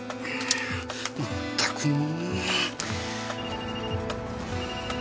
まったくも。